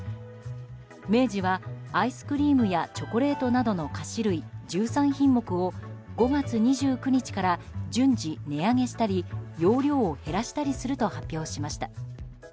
明治はアイスクリームやチョコレートなどの菓子類１３品目を５月２９日から順次値上げしたり容量を減らしたりすると発表しました。